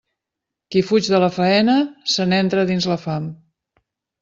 Qui fuig de la faena, se n'entra dins la fam.